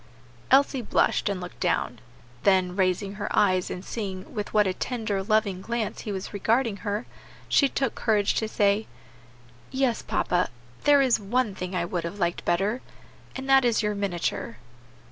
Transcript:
Elsie blushed and looked down; then raising her eyes, and seeing with what a tender, loving glance he was regarding her, she took courage to say, "Yes papa, there is one thing I would have liked better, and that is your miniature."